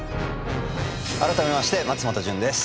改めまして松本潤です。